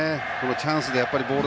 チャンスでボール